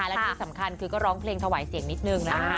และที่สำคัญคือก็ร้องเพลงถวายเสียงนิดนึงนะคะ